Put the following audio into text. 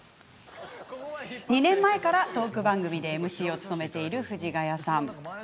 ２年前から、トーク番組でＭＣを務めている藤ヶ谷さん。